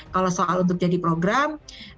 kalau soal untuk jadi program